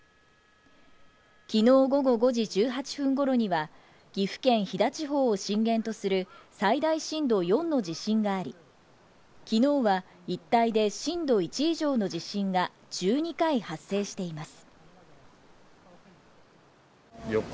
昨日午後５時１８分頃には岐阜県飛騨地方を震源とする最大震度４の地震があり、昨日は一帯で震度１以上の地震が１２回発生しています。